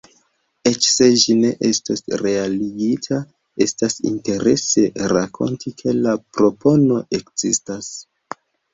Eĉ se ĝi ne estos realigita, estas interese rakonti, ke la propono ekzistas.